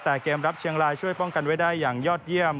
แต่เกมรับเชียงรายช่วยป้องกันไว้ได้อย่างยอดเยี่ยม